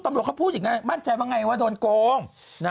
ตำรวจเขาพูดอย่างนั้นมั่นใจว่าไงว่าโดนโกง